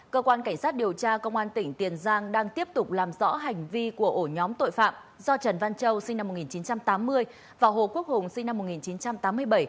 cơ quan cảnh sát điều tra công an tỉnh tiền giang đang tiếp tục làm rõ hành vi của ổ nhóm tội phạm do trần văn châu sinh năm một nghìn chín trăm tám mươi và hồ quốc hùng sinh năm một nghìn chín trăm tám mươi bảy